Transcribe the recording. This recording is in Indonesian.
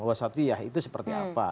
wasatiyah itu seperti apa